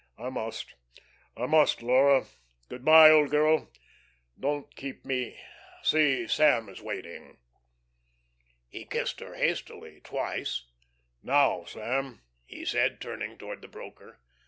"I must, I must, Laura. Good by, old girl. Don't keep me see, Sam is waiting." He kissed her hastily twice. "Now, Sam," he said, turning toward the broker.